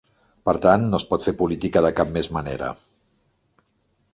Per tant, no es pot fer política de cap més manera.